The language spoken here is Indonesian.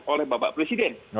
oleh bapak presiden